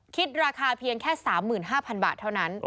คิดราคาเพียงแค่๓๕๐๐บาทเท่านั้น